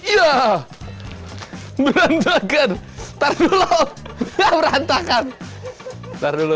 ia berantakan tar dulu berantakan tar dulu